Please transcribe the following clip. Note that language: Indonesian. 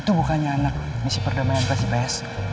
itu bukannya anak misi perdamaian dari kelas ps